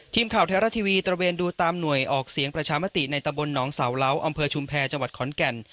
ทีมข่าวไทยรัฐทีวีตระเวนดูตามหน่วยออกเสียงประชามติในตะบนหนองสาวเหล้าอำเภอชุมแพรจังหวัดขอนแก่น